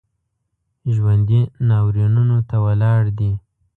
ژوندي ناورینونو ته ولاړ دي